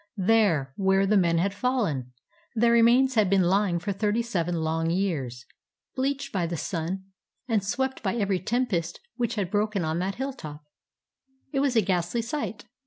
There, where the men had fallen, their remains had been lying for thirty seven long years, bleached by the sun, and swept by 280 THE HILL OF BONES every tempest which had broken on that hilltop. It was a ghastly sight.